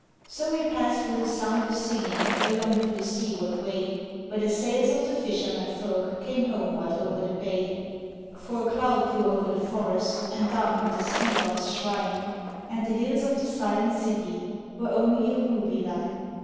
So we passed with a sound of singing along to the seaward way, Where the sails of the fishermen folk came homeward over the bay; For a cloud grew over the forest and darkened the sea god's shrine, And the hills of the silent city were only a ruby line.